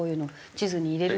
地図に入れる。